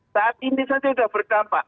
saat ini saja sudah berdampak